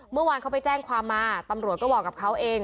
เมื่อวานเขาไปแจ้งความมาตำรวจก็บอกกับเขาเอง